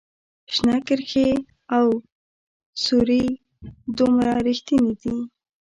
شنه کرښې او سورې دومره ریښتیني دي